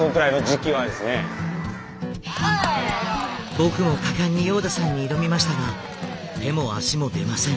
僕も果敢にヨーダさんに挑みましたが手も足も出ません。